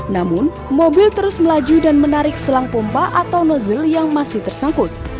namun mobil terus melaju dan menarik selang pompa atau nozzle yang masih tersangkut